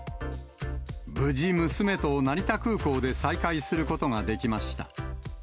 無事、娘と成田空港で再会することができました。